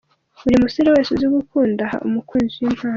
Buri musore wese uzi gukunda aha umukunzi we impano.